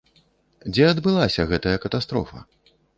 Дзе адбылася гэтая катастрофа?